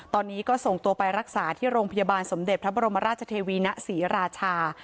ตอนนี้ก็ส่งตัวไปรักษาที่โรงพยาบาลสมเด็จพระบรมราชเทวีณศรีราชา